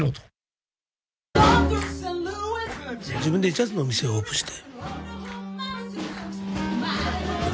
自分でＪａｚｚの店をオープンして。